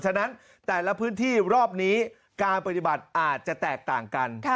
ฉะนั้นแต่ละพื้นที่รอบนี้การปฏิบัติอาจจะแตกต่างกัน